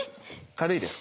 軽いです。